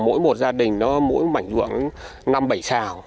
mỗi một gia đình nó mỗi mảnh ruộng năm bảy xào